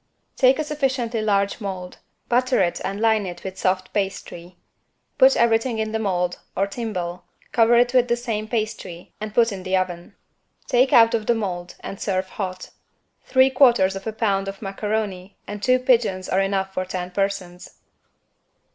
Take a sufficiently large mold, butter it and line it with soft pastry. Put everything in the mold, or timbale, cover it with the same pastry and put in the oven. Take out of the mold and serve hot. Three quarters of a pound of macaroni and two pigeons are enough for ten persons.